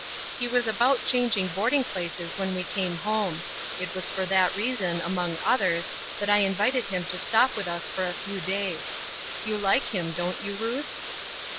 He was about changing board ing places when we came home. It was for that reason, among others, that I invited him to stop with us for a few days. You like him, don't you, Ruth?"